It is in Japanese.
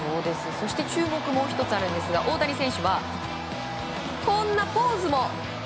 注目、もう１つあるんですが大谷選手はこんなポーズも。